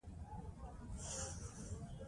دا دنيا ابدي او تلپاتې نه گڼي